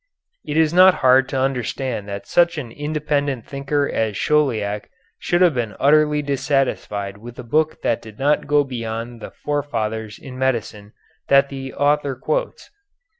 It is not hard to understand that such an independent thinker as Chauliac should have been utterly dissatisfied with a book that did not go beyond the forefathers in medicine that the author quotes.